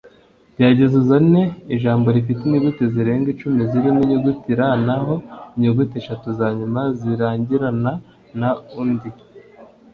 Gerageza uzane ijambo rifite inyuguti zirenga icumi zirimo inyuguti R naho inyuguti eshatu zanyuma zirangirana na und